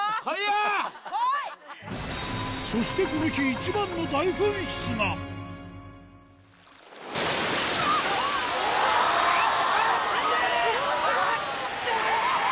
そしてこの日一番の大噴出がうわっあっあっ！